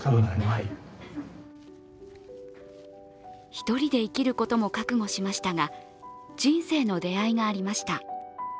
１人で生きることも覚悟しましたが、人生の出会いがありました。